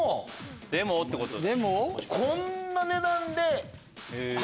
「でも」ってことだ。